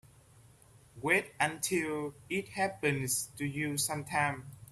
Wait until it happens to you sometime.